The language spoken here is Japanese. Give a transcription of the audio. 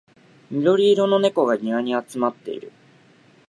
緑色の猫が庭に集まっている